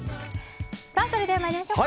それでは、参りましょう。